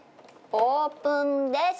オープンです！